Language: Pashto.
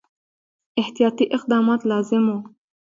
احتیاطي اقدامات لازم وه.